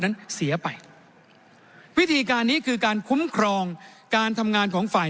นั้นเสียไปวิธีการนี้คือการคุ้มครองการทำงานของฝ่าย